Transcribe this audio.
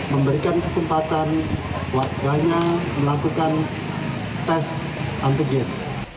memberikan kesempatan warganya melakukan tes antigen